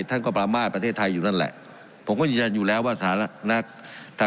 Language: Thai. ท่านก็ประมาทประเทศไทยอยู่นั่นแหละผมก็ยืนยันอยู่แล้วว่าสถานะนักถ้า